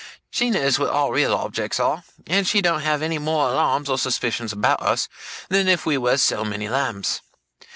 She knows what our real objects are, and she don't have any more alarms or suspicions about us, than if we was so many lambs.